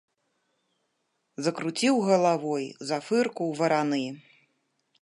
Закруціў галавой, зафыркаў вараны.